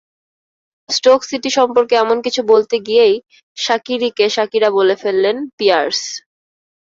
Stroke City সম্পর্কে এমন কিছু বলতে গিয়েই শাকিরিকে শাকিরা বলে ফেলেন পিয়ার্স।